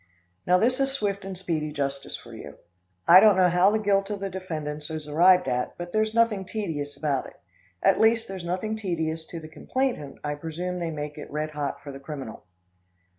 Now, this is swift and speedy justice for you. I don't know how the guilt of the defendants is arrived at, but there's nothing tedious about it. At least, there's nothing tedious to the complainant I presume they make it red hot for the criminal.